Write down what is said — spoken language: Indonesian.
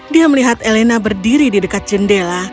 dia melihat elena berdiri di dekat jendela